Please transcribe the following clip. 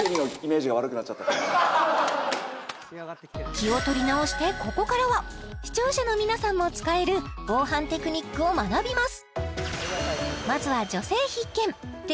気を取り直してここからは視聴者の皆さんも使える防犯テクニックを学びます